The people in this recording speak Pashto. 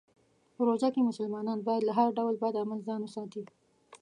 په روژه کې مسلمانان باید له هر ډول بد عمل ځان وساتي.